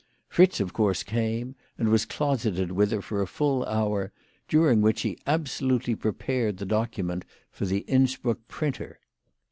Fritz of course came, and was closeted with her for a full hour, during which he absolutely prepared the document for the Innsbruck printer.